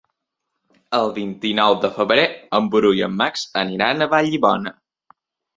El vint-i-nou de febrer en Bru i en Max aniran a Vallibona.